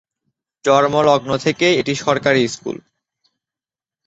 জন্মলগ্ন থেকেই এটি সরকারি স্কুল।